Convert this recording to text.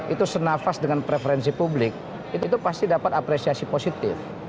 itu senafas dengan preferensi publik itu pasti dapat apresiasi positif